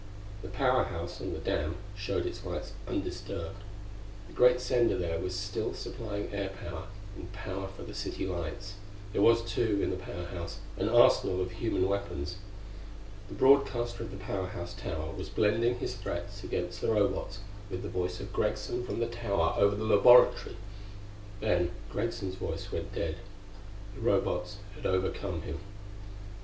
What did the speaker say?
The Power House on the dam showed its lights undisturbed. The great sender there was still supplying air power and power for the city lights. There was, too, in the Power House, an arsenal of human weapons.... The broadcaster of the Power House tower was blending his threats against the Robots with the voice of Greggson from the tower over the laboratory. Then Greggson's voice went dead; the Robots had overcome him.